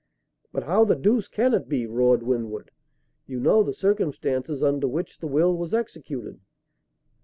"But how the deuce can it be?" roared Winwood. "You know the circumstances under which the will was executed."